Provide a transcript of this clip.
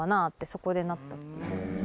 そこでなったっていう。